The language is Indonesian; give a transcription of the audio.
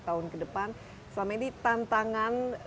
tahun ke depan selama ini tantangan